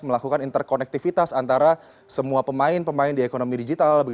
melakukan interkonektivitas antara semua pemain pemain di ekonomi digital